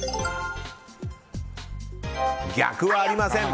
逆はありません。